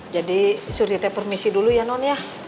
jadi surti teh permisi dulu ya non ya